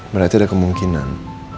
berarti ada kemungkinan